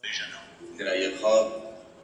په خونه را شریک به مو پیریان او بلا نه وي `